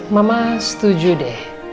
mama setuju deh